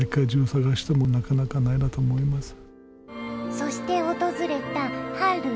そして訪れた春。